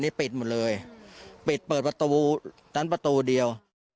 นี่ปิดหมดเลยปิดเปิดประตูนั้นประตูเดียว